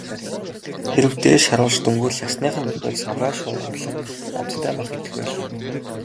Хэрэв дээш харуулж дөнгөвөл ясных нь нүхээр савраа шургуулан амттай мах идэх байлаа.